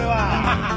ハハハハ。